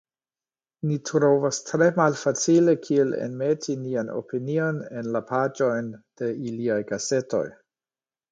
Ni trovas tre malfacile kiel enmeti nian opinion en la paĝojn de iliaj gazetoj"".